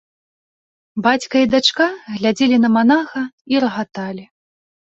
Бацька і дачка глядзелі на манаха і рагаталі.